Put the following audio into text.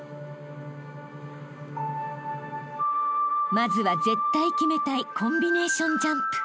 ［まずは絶対決めたいコンビネーションジャンプ］